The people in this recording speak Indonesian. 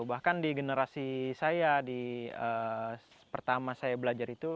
bahkan di generasi saya di pertama saya belajar itu